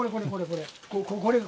これが。